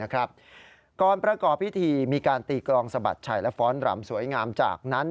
ก่อนประกอบพิธีมีการตีกลองสะบัดชัยและฟ้อนรำสวยงามจากนั้น